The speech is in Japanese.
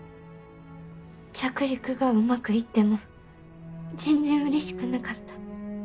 着陸がうまくいっても全然うれしくなかった。